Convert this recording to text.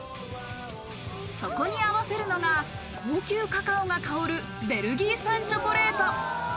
そこに合わせるのが高級カカオが香るベルギー産チョコレート。